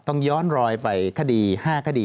ต้องย้อนรอยไปคดี๕คดี